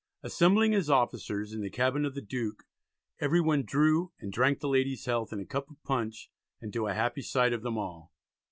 Assembling his officers in the cabin of the Duke "every one drew, and drank the lady's health in a cup of Punch, and to a happy sight of them all."